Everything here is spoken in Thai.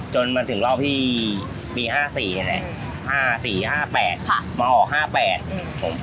จนมาถึงรอบที่ปี๕๔ไงมาออก๕๘